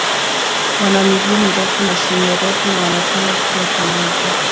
Wana miguu mirefu na shingo refu na wanapenda kuwa pamoja.